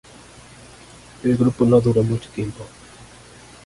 El grupo no duró mucho tiempo.